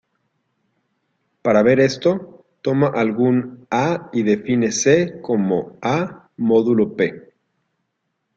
Para ver esto, toma algún "a y define c" como "a" modulo "p".